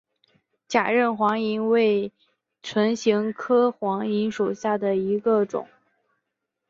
假韧黄芩为唇形科黄芩属下的一个种。